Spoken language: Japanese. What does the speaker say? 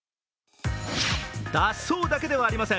脱走だけではありません。